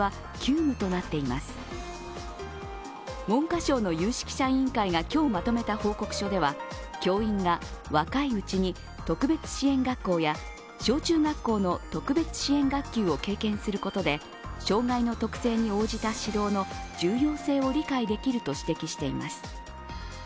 文科省の有識者委員会が今日まとめた報告書では教員が若いうちに特別支援学校や小中学校の特別支援学級を経験することで障害の特性に応じた指導の重要性を理解できると指摘しています。